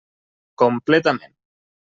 Completament.